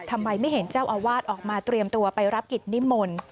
ทำไมไม่เห็นเจ้าอาวาสออกมาเตรียมตัวไปรับกิจนิมนต์